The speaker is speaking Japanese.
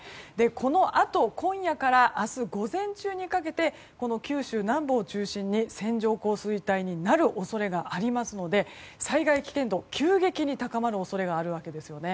このあと今夜から明日午前中にかけて九州南部を中心に線状降水帯になる恐れがありますので災害危険度が急激に高まる恐れがあるわけです。